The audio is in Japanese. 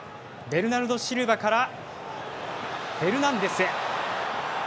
ベルナルドシルバからフェルナンデスへ。